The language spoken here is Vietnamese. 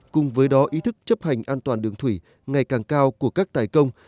cùng với đó ý thức chấp hành an toàn đường thủy ngày càng cao của các tài công